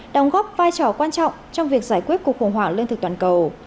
đóng góp vai trò quan trọng trong việc giải quyết cuộc khủng hoảng lương thực toàn cầu